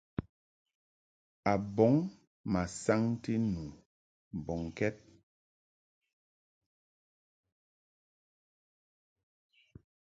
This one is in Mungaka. A bɔŋ ma saŋti nu mbɔŋkɛd.